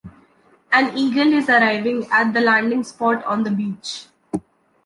An eagle is arriving at a landing spot on the beach.